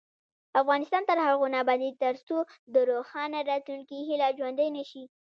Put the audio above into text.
افغانستان تر هغو نه ابادیږي، ترڅو د روښانه راتلونکي هیله ژوندۍ نشي.